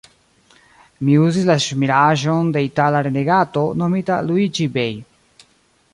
Mi uzis la ŝmiraĵon de Itala renegato, nomita Luiĝi-Bej'.